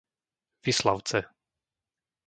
Vislavce